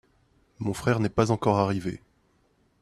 mon frère n'est pas encore arrivé.